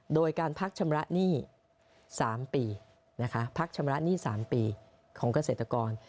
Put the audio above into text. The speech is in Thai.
โดยการพักชำระหนี้๓ปีพักชำระหนี้๓ปีของเกษตรกร